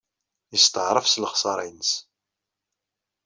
Yesteɛṛef s lexṣara-nnes.